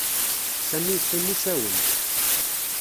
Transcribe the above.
Sami yeqqim usawen.